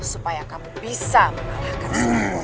supaya kamu bisa mengalahkan